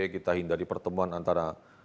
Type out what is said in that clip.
kita hindari pertemuan antara